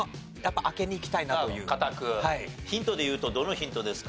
ヒントでいうとどのヒントですか？